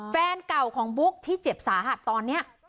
แฟนเก่าของบุ๊กที่เจ็บสาหัสตอนนี้